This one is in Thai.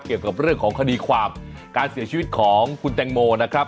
เกี่ยวกับเรื่องของคดีความการเสียชีวิตของคุณแตงโมนะครับ